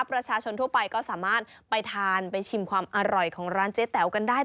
ประชาชนทั่วไปก็สามารถไปทานไปชิมความอร่อยของร้านเจ๊แต๋วกันได้